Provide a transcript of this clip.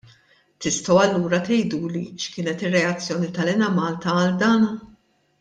Tistgħu allura tgħiduli x'kienet ir-reazzjoni tal-Enemalta għal dan?